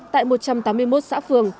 tại một trăm tám mươi một xã phường